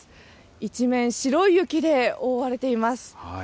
一面、白い雪で覆われています。